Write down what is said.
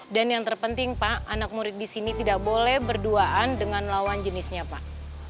dan yang terpenting pak anak murid disini tidak boleh berduaan dengan lawan jenisnya pak